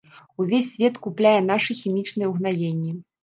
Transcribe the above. Увесь свет купляе нашы хімічныя ўгнаенні.